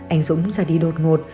anh dũng ra đi đột ngột